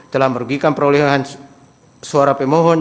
telah merugikan perolehan suara pemohon